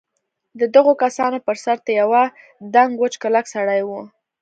د دغو کسانو بر سر ته یوه دنګ وچ کلک سړي و.